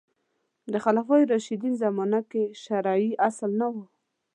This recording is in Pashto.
د خلفای راشدین زمانه کې شرعي اصل نه و